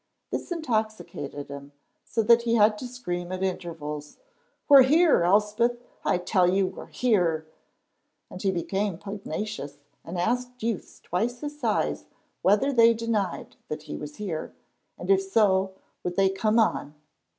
This intoxicated him, so that he had to scream at intervals, "We're here, Elspeth, I tell you, we're here!" and he became pugnacious and asked youths twice his size whether they denied that he was here, and if so, would they come on.